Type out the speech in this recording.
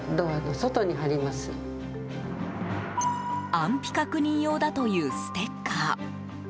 安否確認用だというステッカー。